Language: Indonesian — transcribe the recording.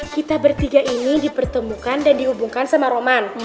kita bertiga ini dipertemukan dan dihubungkan sama roman